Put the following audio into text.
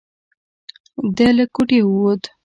ده له کوټې ووت.